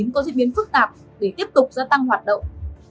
có diễn biến phức tạp để tiếp tục gia tăng hoạt động